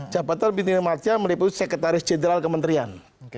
jabatan pimpinan tinggi masyarakat meliputi sekretaris jenderal kementerian